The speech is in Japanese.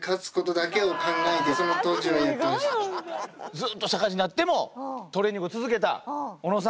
ずっと社会人になってもトレーニングを続けた小野さん。